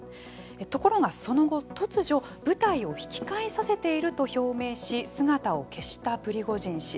ところがその後、突如部隊を引き返させていると表明し姿を消したプリゴジン氏。